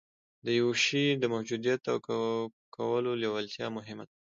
د يوه شي د موجوديت او کولو لېوالتيا مهمه ده.